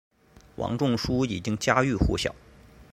王仲殊已经家喻户晓。